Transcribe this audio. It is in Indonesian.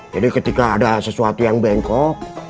jadi ketika ada sesuatu yang bengkok